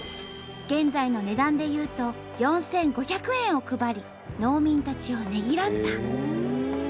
現在の値段でいうと４，５００円を配り農民たちをねぎらった。